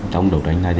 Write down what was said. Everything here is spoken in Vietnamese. trong đấu tranh này